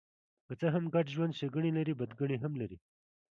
که څه هم ګډ ژوند ښېګڼې لري، بدګڼې هم لري.